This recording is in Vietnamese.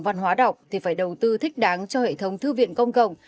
văn hóa đọc thì phải đầu tư thích đáng cho hệ thống thư viện công cộng